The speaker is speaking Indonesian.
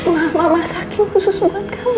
mama saki khusus buat kamu